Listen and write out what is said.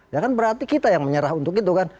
ya kan berarti kita yang menyerah untuk itu kan